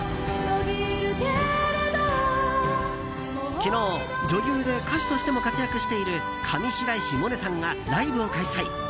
昨日、女優で歌手としても活躍している上白石萌音さんがライブを開催。